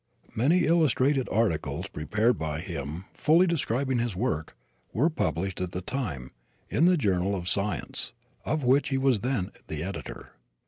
Many illustrated articles prepared by him, fully describing his work, were published at the time in The Journal of Science of which he was then the editor.